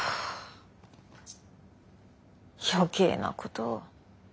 余計なことを。